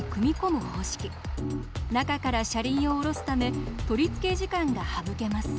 中から車輪を下ろすため取りつけ時間が省けます。